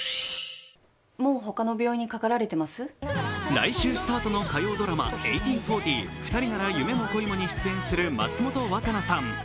来週スタートの火曜ドラマ「１８／４０ふたりなら夢も恋も」に出演する松本若菜さん。